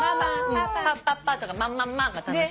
パッパッパとかマッマッマが楽しい。